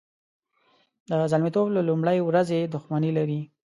د زلمیتوب له لومړۍ ورځې دښمني لري.